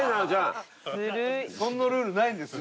そんなルールないんですよ。